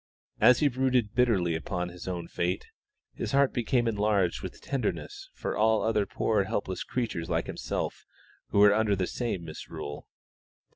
As he brooded bitterly upon his own fate, his heart became enlarged with tenderness for all other poor helpless creatures like himself who were under the same misrule.